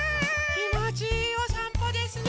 きもちいいおさんぽですね。